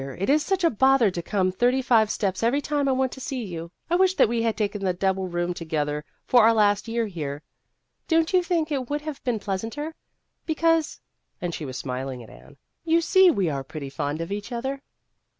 it is such a bother to come thirty five steps every time I want to see you. I wish that we had taken A Case of Incompatibility 135 that double room together for our last year here. Don't you think it would have been pleasanter ? because " and she was smiling at Anne " you see we are pretty fond of each other."